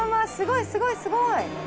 すごいすごいすごい。